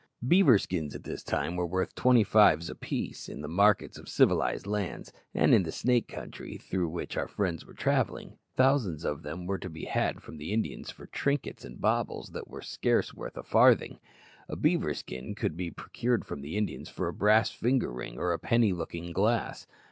Beaver skins at this time were worth 25s. a piece in the markets of civilized lands, and in the Snake country, through which our friends were travelling, thousands of them were to be had from the Indians for trinkets and baubles that were scarce worth a farthing. A beaver skin could be procured from the Indians for a brass finger ring or a penny looking glass.